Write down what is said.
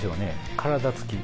体つき。